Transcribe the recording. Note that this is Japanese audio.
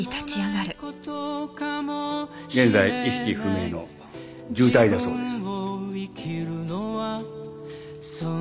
現在意識不明の重体だそうです。